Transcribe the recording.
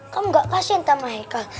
kamu gak kasihan sama aikal